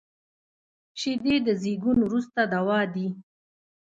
شیدې د زیږون وروسته دوا دي